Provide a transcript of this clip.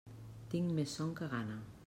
Tinc més son que gana.